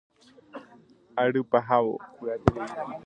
Ary pahávo.